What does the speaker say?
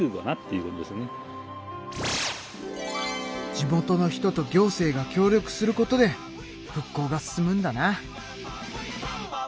地元の人と行政が協力することで復興が進むんだな。